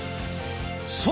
そう！